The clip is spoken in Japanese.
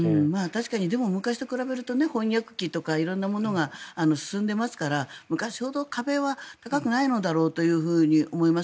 確かに、でも昔と比べると翻訳機とか色んなものが進んでいますから昔ほど壁は高くないと思います。